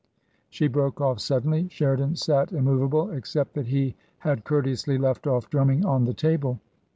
" She broke off suddenly. Sheridan sat immovable, except that he had courteously left off drumming on the table.